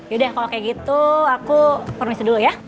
yaudah kalau kayak gitu aku permisi dulu ya